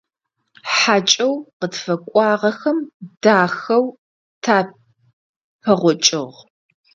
ХьакӀэу къытфэкӀуагъэхэм дахэу тапэгъокӀыгъ.